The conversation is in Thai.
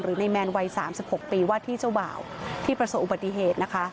ในแมนวัย๓๖ปีว่าที่เจ้าบ่าวที่ประสบอุบัติเหตุนะคะ